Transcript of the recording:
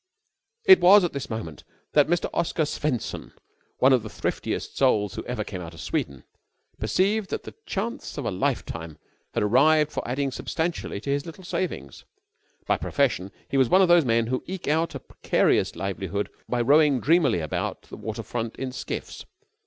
It was at this moment that Mr. Oscar Swenson, one of the thriftiest souls who ever came out of Sweden, perceived that the chance of a lifetime had arrived for adding substantially to his little savings. By profession he was one of those men who eke out a precarious livelihood by rowing dreamily about the waterfront in skiffs.